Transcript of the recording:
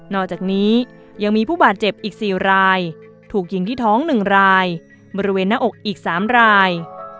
อกจากนี้ยังมีผู้บาดเจ็บอีก๔รายถูกยิงที่ท้อง๑รายบริเวณหน้าอกอีก๓ราย